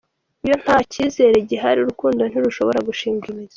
Iyo nta cyizere gihari urukundo ntirushobora gushinga imizi.